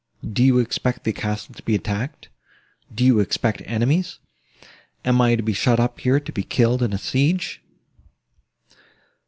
Do you expect the castle to be attacked? Do you expect enemies? Am I to be shut up here, to be killed in a siege?"